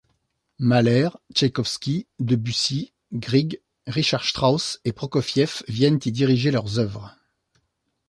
Mahler, Tchaïkovsky, Debussy, Grieg, Richard Strauss et Prokofiev viennent y diriger leurs œuvres.